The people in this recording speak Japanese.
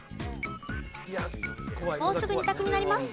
もうすぐ２択になります。